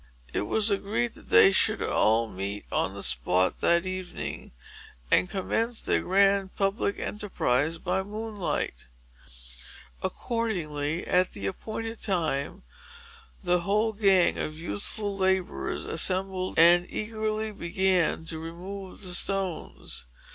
It was agreed that they should all be on the spot, that evening, and commence their grand public enterprise by moonlight. Accordingly, at the appointed time, the whole gang of youthful laborers assembled, and eagerly began to remove the stones.